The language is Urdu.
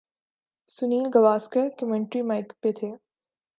سنیل گواسکر کمنٹری مائیک پہ تھے۔